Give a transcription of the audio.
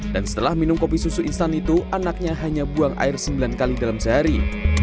dan setelah minum kopi susu instan itu anaknya hanya buang air sembilan kali dalam sehari